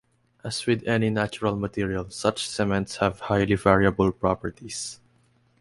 As with any natural material, such cements have highly variable properties.